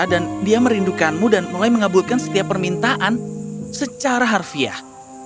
dan dia merindukanmu dan mulai mengabulkan setiap permintaan secara harfiah